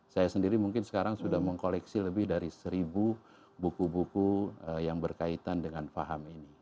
saya sendiri mungkin sekarang sudah mengkoleksi lebih dari seribu buku buku yang berkaitan dengan faham ini